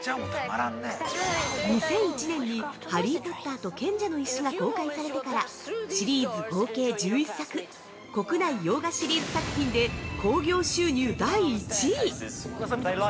２００１年に「ハリー・ポッターと賢者の石」が公開されてからシリーズ合計１１作国内洋画シリーズ作品で興行収入第１位！